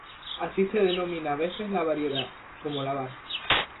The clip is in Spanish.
Así se denominan a veces las variedades, como la var.